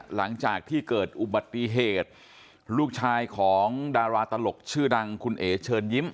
หลังจากที่เกิดอุบัติเหตุลูกชายของดาราตลกชื่อดังคุณเอ๋เชิญยิ้ม